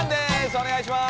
お願いします。